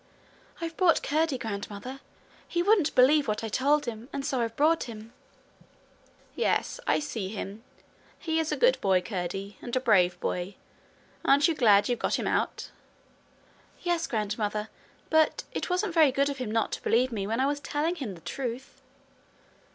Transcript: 'I've brought Curdie, grandmother. He wouldn't believe what I told him and so I've brought him.' 'Yes I see him. He is a good boy, Curdie, and a brave boy. Aren't you glad you've got him out?' 'Yes, grandmother. But it wasn't very good of him not to believe me when I was telling him the truth.'